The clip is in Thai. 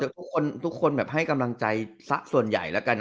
และมันจะโชคให้กำลังใจมุมเช่นแหลมนะ